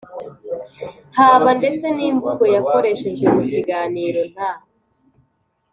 haba ndetse n'imvugo yakoreshejwe mu kiganiro, nta